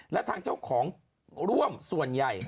และทางเจ้าของร่วมส่วนใหญ่